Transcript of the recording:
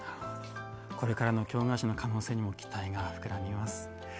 これからの京菓子の可能性にも期待が膨らみます。